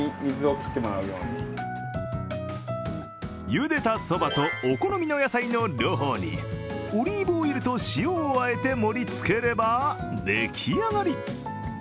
ゆでたそばとお好みの野菜の両方にオリーブオイルと塩をあえて盛りつければ出来上がり。